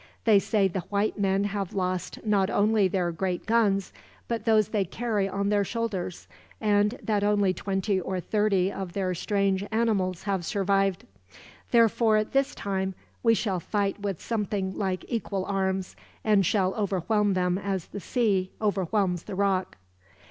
They say the white men have lost not only their great guns, but those they carry on their shoulders; and that only twenty or thirty of their strange animals have survived. Therefore, this time, we shall fight with something like equal arms, and shall overwhelm them as the sea overwhelms the rock."